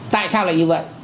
tại sao là như vậy